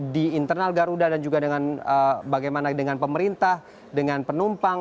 di internal garuda dan juga dengan bagaimana dengan pemerintah dengan penumpang